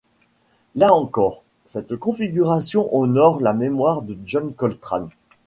Là encore, cette configuration honore la mémoire de John Coltrane.